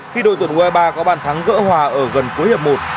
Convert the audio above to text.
khi đội tuyển u hai mươi ba có bàn thắng gỡ hòa ở gần cuối hiệp một